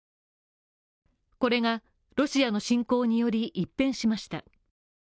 これがロシアの侵攻により一変しました。